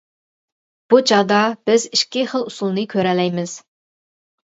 بۇ چاغدا بىز ئىككى خىل ئۇسۇلنى كۆرەلەيمىز.